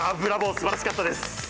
すばらしかったです。